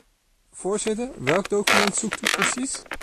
Voorzitter, welk document zoekt u precies?